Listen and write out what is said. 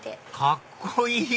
カッコいい！